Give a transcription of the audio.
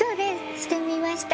してみました。